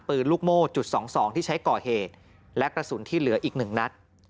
ปืนลูกโม่จุด๒๒ที่ใช้ก่อเหตุและกระสุนที่เหลืออีก๑นัด